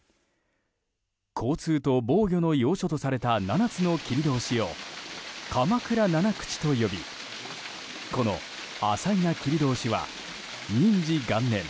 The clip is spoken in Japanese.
交通と防御の要所とされた７つの切通を鎌倉七口と呼びこの朝夷奈切通は仁治元年